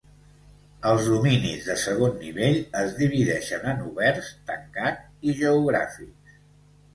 Els dominis de segon nivell es divideixen en oberts, tancat i geogràfics.